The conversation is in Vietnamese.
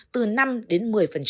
từ năm đến một mươi